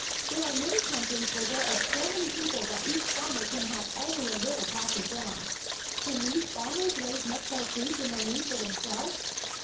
There are many countries where there are so many people that each farmer can have only a little patch of ground. Can these farmers raise much more food than they need for themselves?